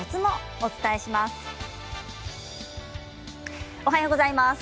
おはようございます。